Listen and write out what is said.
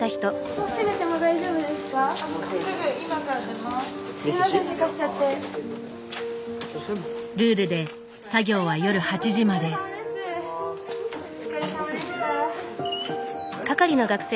お疲れさまでした。